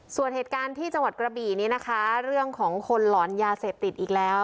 ส่วนเหตุการณ์ที่จังหวัดกระบี่นี้นะคะเรื่องของคนหลอนยาเสพติดอีกแล้ว